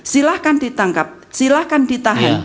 silahkan ditangkap silahkan ditahan